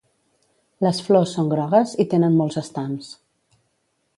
Les flors són grogues i tenen molts estams.